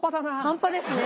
半端ですね。